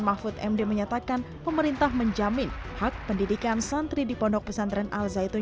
mahfud md menyatakan pemerintah menjamin hak pendidikan santri di pondok pesantren al zaitun